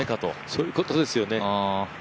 そういうことですよね。